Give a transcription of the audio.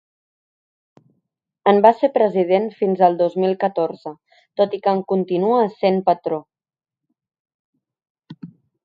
En va ser president fins el dos mil catorze, tot i que en continua essent patró.